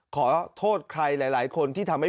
ขอโทษใครหลายคนที่ทำให้